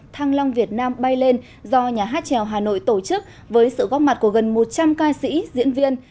thăng long việt nam bay lên do nhà hát trèo hà nội tổ chức với sự góp mặt của gần một trăm linh ca sĩ diễn viên